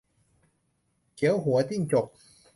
เขียวหัวจิ้งจก